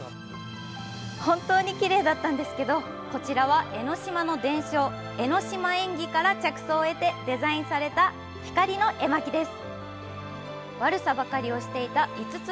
本当にきれいだったんですけど、こちらは江の島の伝承、「江島縁起」から着想を得てデザインされた光の絵巻です。